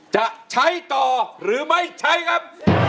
จะใช้ต่อหรือไม่ใช้ครับ